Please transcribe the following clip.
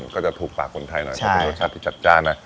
ก็จะถูกปากคนไทยหน่อยต้องมีรสชาติชัดนะ